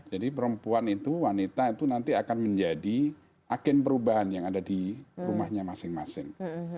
jadi perempuan itu wanita itu nanti akan menjadi agen perubahan yang ada di rumahnya masing masing